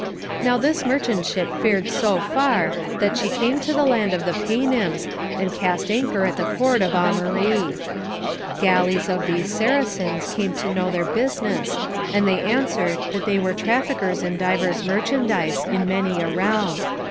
Now this merchant ship fared so far that she came to the land of the Paynims, and cast anchor in the port of Aumarie. Galleys of these Saracens came to know their business, and they answered that they were traffickers in divers merchandise in many a realm.